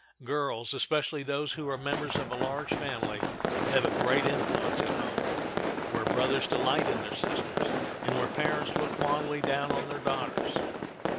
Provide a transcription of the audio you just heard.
Girls, especially those who are members of a large family, have a great influence at home, where brothers delight in their sisters, and where parents look fondly down on their daughters.